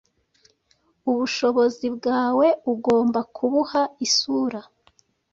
Ubushobozi bwawe ugomba kubuha isura.